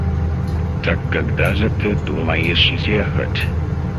Так когда же ты думаешь ехать?